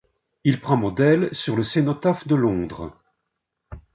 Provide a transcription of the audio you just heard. Il prend modèle sur le Cénotaphe de Londres.